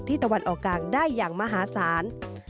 ตะวันออกกลางได้อย่างมหาศาล